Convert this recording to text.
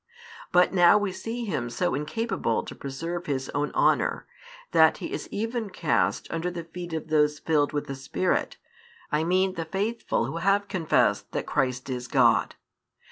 But now we see him so incapable to preserve his own honour, that he is even cast under the feet of those filled with the Spirit, I mean the faithful who have confessed that Christ is God.